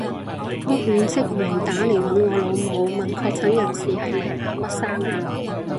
屋苑職員打嚟搵我老母，問確診人士係咪阿乜生啊？